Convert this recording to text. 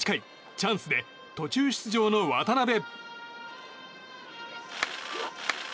チャンスで、途中出場の渡邉。